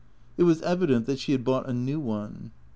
It was evident that she had bought a new one.